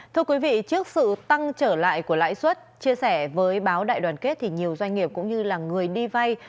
thưa quý vị trước sự tăng trở lại của lãi suất chia sẻ với báo đại đoàn kết thì nhiều doanh nghiệp cũng như là người đi vay